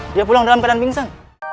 dia pulang dalam keadaan pingsan